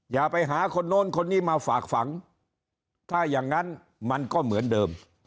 อย่าไปหาคนโน้นคนนี้มาฝากฝังถ้าอย่างนั้นมันก็เหมือนเดิม